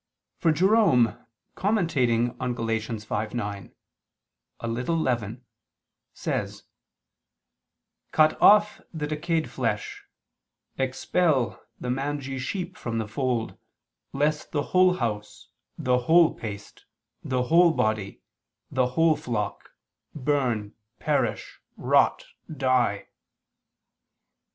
For Jerome commenting on Gal. 5:9, "A little leaven," says: "Cut off the decayed flesh, expel the mangy sheep from the fold, lest the whole house, the whole paste, the whole body, the whole flock, burn, perish, rot, die.